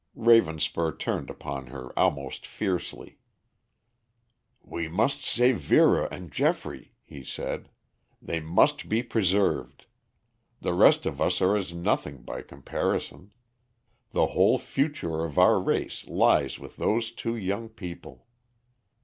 Ravenspur turned upon her almost fiercely. "We must save Vera and Geoffrey," he said. "They must be preserved. The rest of us are as nothing by comparison. The whole future of our race lies with those two young people.